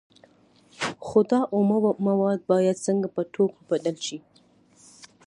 خو دا اومه مواد باید څنګه په توکو بدل شي